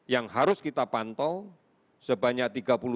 yang harus kita pantau sebanyak tiga puluh delapan empat ratus sembilan puluh delapan